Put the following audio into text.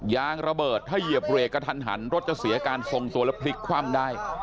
ยางระเบิดถ้าเหยียบเรกกระทันหันรถจะเสียการทรงตัวแล้วพลิกคว่ำได้